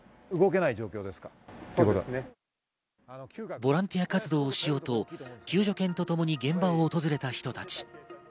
ボランティア活動をしようと救助犬とともに現場を訪れた人たち。